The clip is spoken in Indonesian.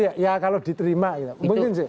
ya kalau diterima gitu